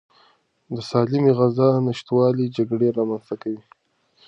د سالمې غذا نشتوالی جګړې رامنځته کوي.